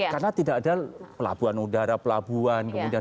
karena tidak ada pelabuhan udara pelabuhan